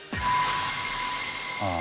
ああ。